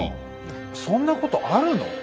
そんなことあるの？